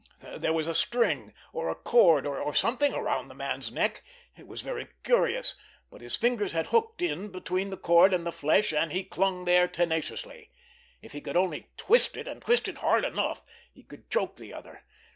There was a string, or a cord, or something around the man's neck. It was very curious! But his fingers had hooked in between the cord and the flesh, and he clung there tenaciously. If he could only twist it, and twist it hard enough, he could choke the other!